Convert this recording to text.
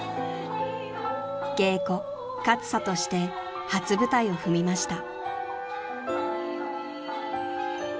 ［芸妓勝彩として初舞台を踏みました］